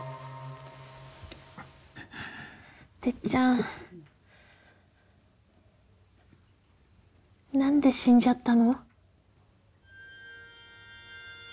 てっちゃん何で死んじゃったの？